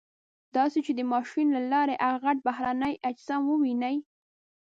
داسې چې د ماشین له لارې هغه غټ بهرني اجسام وویني.